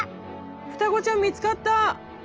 双子ちゃん見つかった！